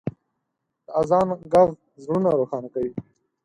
د اذان ږغ زړونه روښانه کوي.